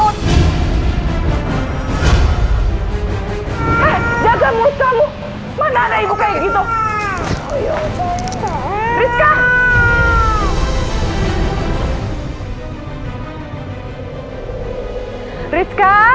tidak ada tipis